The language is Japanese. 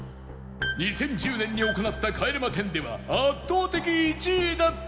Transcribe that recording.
２０１０年に行った帰れま１０では圧倒的１位だったが